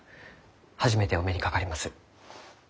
初めてお目にかかります。